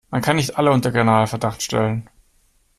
Man kann nicht alle unter Generalverdacht stellen.